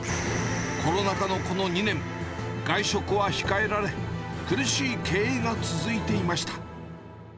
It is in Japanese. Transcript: コロナ禍のこの２年、外食は控えられ、苦しい経営が続いていました。